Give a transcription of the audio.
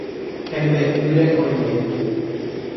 Hembe'ýre oime.